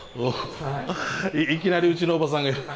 いきなりうちのおばさんが。